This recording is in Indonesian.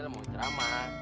dia mau cerama